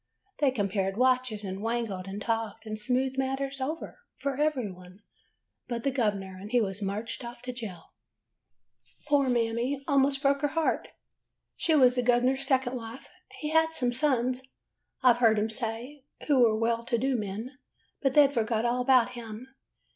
They compared watches and wrangled and talked, and smoothed matters over for everybody but the gov'ner, and he was marched off to jail. [ 50 ] HO W BEN FO UND SANTA CL A US "Poor Mammy almost broke her heart. She was the gov'ner's second wife. He had some sons, I Ve heard him say, who_were well to do men, but they 'd forgot all about him.